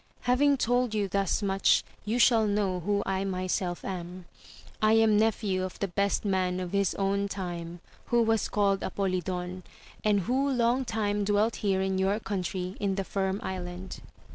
Having told you thus much you shall know who I myself am. I am nephew of the best man of his own time, who was called Apolidon, and who long time dwelt here in your country in the Firm Island.